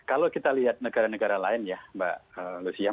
kalau kita lihat negara negara lain ya mbak lucia